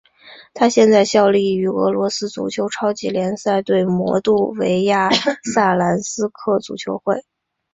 他现在效力于俄罗斯足球超级联赛球队摩度维亚萨兰斯克足球会。